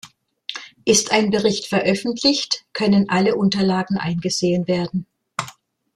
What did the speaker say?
Ist ein Bericht veröffentlicht, können alle Unterlagen eingesehen werden.